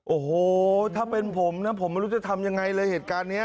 โอ้โหถ้าเป็นผมนะผมไม่รู้จะทำยังไงเลยเหตุการณ์นี้